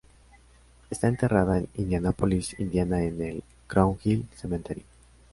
Esta enterrada en Indianapolis, Indiana en el Crown Hill Cemetery.